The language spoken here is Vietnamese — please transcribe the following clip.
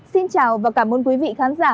xin chào và cảm ơn quý vị khán giả